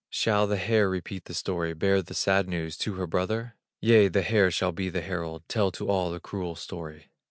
Shall the hare repeat the story, Bear the sad news to her brother? Yea, the hare shall be the herald, Tell to all the cruel story.